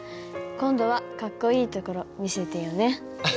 今度はかっこいいところ見せてよね」。